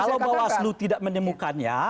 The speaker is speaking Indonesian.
kalau bawaslu tidak menemukannya